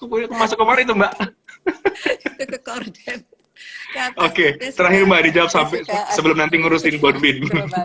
woi masuk kemarin enggak oke terakhir maaf sebelum nanti ngurusin